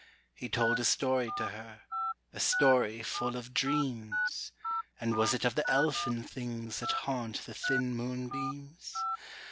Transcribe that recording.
He told a story to her, A story full of dreams And was it of the Elfin things That haunt the thin moonbeams?